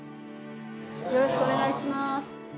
よろしくお願いします。